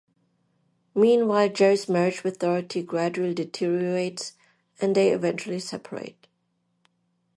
Meanwhile, Jerry's marriage with Dorothy gradually deteriorates and they eventually separate.